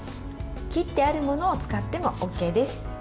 切ってあるものを使ってもＯＫです。